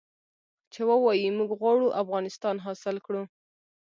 چې ووايي موږ غواړو افغانستان حاصل کړو.